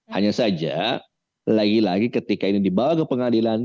hanya saja lagi lagi ketika ini dibawa ke pengadilan